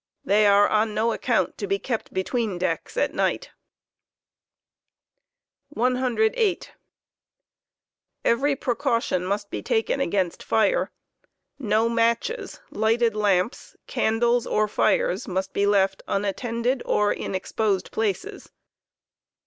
They are on no account to be kept between decks at night. 103. Every precaution must be taken again&t fire; no matches, lighted lamps, candles or fires must be left unattended or in exposed places.